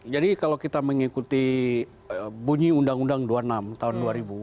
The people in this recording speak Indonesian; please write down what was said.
jadi kalau kita mengikuti bunyi undang undang dua puluh enam tahun dua ribu